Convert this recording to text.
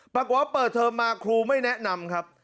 ปรากฏว่าเปิดเทอมมาครูไม่แนะนำครับ